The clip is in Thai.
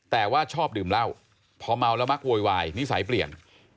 แต่ว่าชอบดื่มเหล้าพอเมาแล้วมักโวยวายนิสัยเปลี่ยน